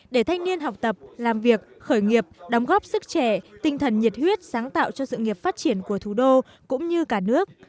để thanh niên học tập làm việc khởi nghiệp đóng góp sức trẻ tinh thần nhiệt huyết sáng tạo cho sự nghiệp phát triển của thủ đô cũng như cả nước